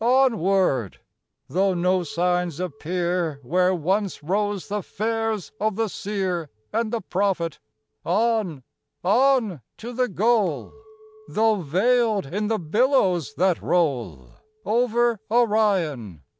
Onward! though no signs appear Where once rose the phares of the Seer And the Prophet. On, on! to the goal, Though veiled in the billows that roll Over Orion.